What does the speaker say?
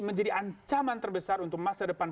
menjadi ancaman terbesar untuk masa depan